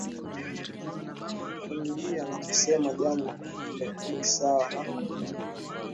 kuingilia na kusema jambo hilo ni sawa na kuingilia